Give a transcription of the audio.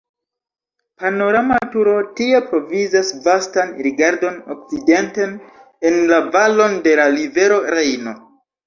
Panorama turo tie provizas vastan rigardon okcidenten en la valon de la rivero Rejno.